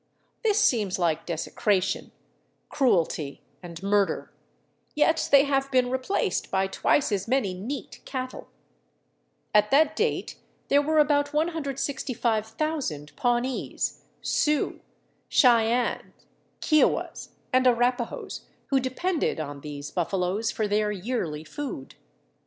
This seems like desecration, cruelty, and murder, yet they have been replaced by twice as many neat cattle. At that date there were about 165,000 Pawnees, Sioux, Cheyennes, Kiowas, and Arapahoes, who depended on these buffaloes for their yearly food.